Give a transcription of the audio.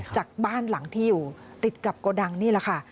จากบ้านหลังที่อยู่ติดกับโกดังนี่แหละค่ะ